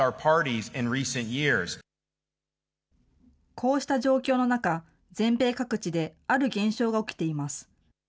こうした状況の中、全米各地である現象が起きています。